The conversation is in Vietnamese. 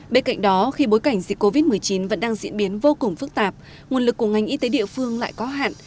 bên cạnh đó khi bối cảnh dịch covid một mươi chín vẫn đang diễn biến vô cùng phức tạp nguồn lực của ngành y tế địa phương lại có hạn